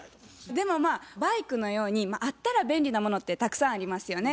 でもまあバイクのようにあったら便利なものってたくさんありますよね。